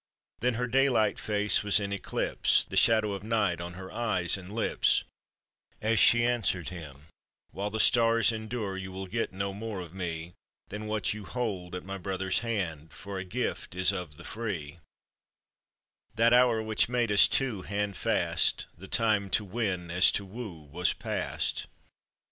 Then her daylight face was in eclipse, The shadow of night on her eyes and lips, As she answered him: " While the stars endure You will get no more of me Than what you hold at my brother's hand, For a gift is of the free : That hour which made us two handfast, The time to win as to woo, was past."